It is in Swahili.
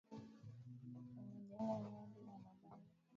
waliojenga nyumba juu ya maboriti yaliyosimamishwa katikati